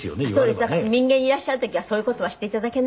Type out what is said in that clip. だから民藝にいらっしゃる時はそういう事はして頂けない。